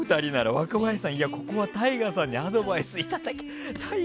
若林さん、いや、ここはＴＡＩＧＡさんにアドバイスを。